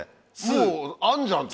もうあんじゃん！と。